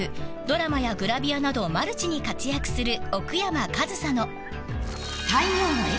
［ドラマやグラビアなどマルチに活躍する］